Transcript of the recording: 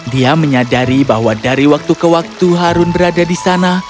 dia menyadari bahwa dari waktu ke waktu harun berada di sana